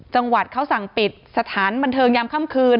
จังหวัดเขาสั่งปิดสถานบันเทิงยามค่ำคืน